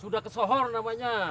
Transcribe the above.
sudah kesohor namanya